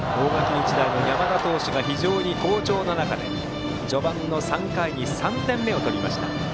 日大の山田投手が非常に好調な中で序盤の３回に３点目を取りました。